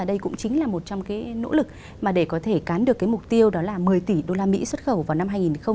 đây cũng chính là một trong cái nỗ lực mà để có thể cán được cái mục tiêu đó là một mươi tỷ usd xuất khẩu vào năm hai nghìn hai mươi